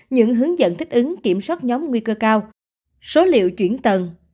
những hướng dẫn thích ứng kiểm soát nhóm nguy cơ cao số liệu chuyển tầng